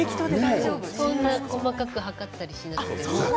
そんな細かく計ったりしなくても。